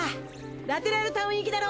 ラテラルタウン行きだろ？